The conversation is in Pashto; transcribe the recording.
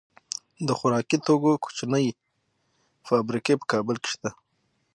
د خوراکي توکو کوچنۍ فابریکې په کابل کې شته.